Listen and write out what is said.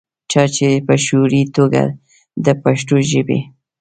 چا چې پۀ شعوري توګه دَپښتو ژبې